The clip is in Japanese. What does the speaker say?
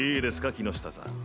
木ノ下さん。